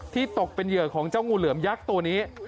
ตกเป็นเหยื่อของเจ้างูเหลือมยักษ์ตัวนี้